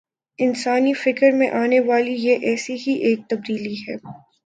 انسانی فکر میں آنے والی یہ ایسی ہی ایک تبدیلی ہے۔